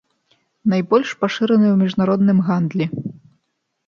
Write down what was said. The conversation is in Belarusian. Найбольш пашыраны ў міжнародным гандлі.